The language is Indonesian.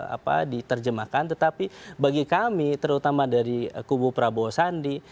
apa diterjemahkan tetapi bagi kami terutama dari kubu prabowo sandi